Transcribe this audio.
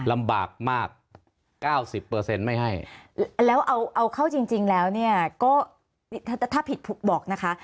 ลำบากมากเก้าสิบเปอร์เซ็นต์ไม่ให้แล้วเอาเอาเข้าจริงจริงแล้วเนี้ยก็ถ้าถ้าผิดบอกนะคะ